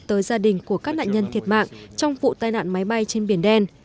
tới gia đình của các nạn nhân thiệt mạng trong vụ tai nạn máy bay trên biển đen